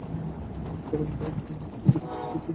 চরম দারিদ্র্যের মধ্যে বেঁচে থাকা কৃষকদের দেখে তিনি অভিভূত হন।